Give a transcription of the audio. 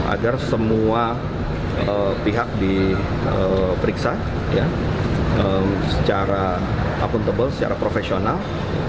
agar semua pihak diperiksa secara akuntabel secara profesional